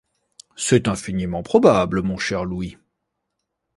C’est infiniment probable, mon cher Louis.